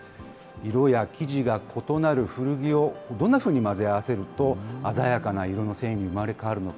色や生地が異なる古着をどんなふうに混ぜ合わせると、鮮やかな色の繊維に生まれ変わるのか。